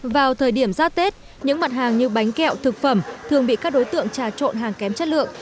vào thời điểm ra tết những mặt hàng như bánh kẹo thực phẩm thường bị các đối tượng trà trộn hàng kém chất lượng